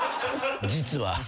実は。